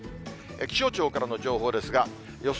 気象庁からの情報ですが、予想